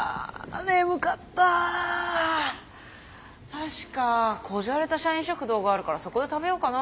確かこじゃれた社員食堂があるからそこで食べようかな。